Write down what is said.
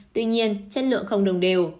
tuy nhiên chất lượng không đồng đều